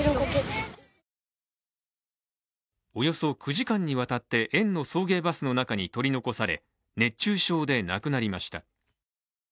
およそ９時間にわたって園の送迎バスの中に取り残され、熱中症で亡くなりました。